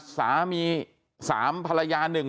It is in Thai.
สามีสามภรรยาหนึ่ง